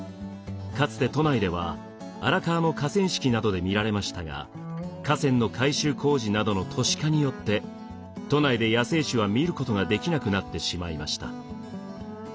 かつて都内では荒川の河川敷などで見られましたが河川の改修工事などの都市化によって都内で野生種は見ることができなくなってしまいました。